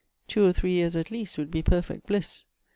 ' Two or three years, at least, would be perfect bliss.